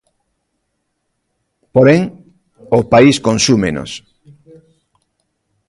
Porén, o país consúmenos.